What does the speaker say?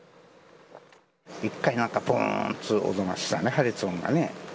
１回、なんかぼーんと音がしたね、破裂音がね。